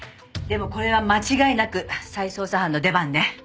でもこれは間違いなく再捜査班の出番ね。